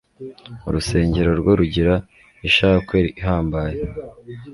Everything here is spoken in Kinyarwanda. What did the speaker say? Urusengo rwo rugira ishakwe ihambaye